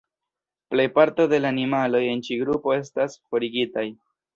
Plejparto da la animaloj en ĉi grupo estas forigitaj.